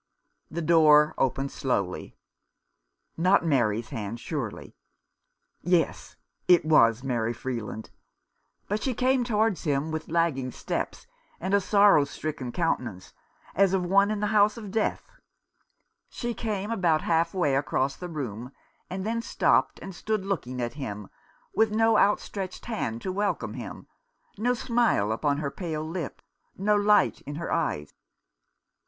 The door opened slowly. Not Mary's hand, surely ? Yes, it was Mary Freeland ; but she came towards him with lagging steps, and a sorrow stricken countenance, as of one in the 160 A Death blow. house of death. She came about half way across the room, and then stopped and stood looking at him, with no outstretched hand to welcome him, no smile upon her pale lips, no light in her eyes.